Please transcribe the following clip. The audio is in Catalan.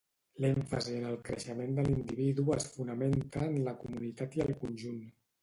L'èmfasi en el creixement de l'individu es fonamenta en la comunitat i el conjunt.